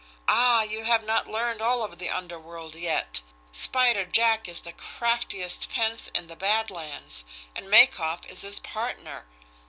Ah, you have not learned all of the underworld yet! Spider Jack is the craftiest 'fence' in the Bad Lands and Makoff is his partner.